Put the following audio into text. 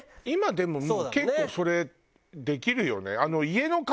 今でも結構それできるよね。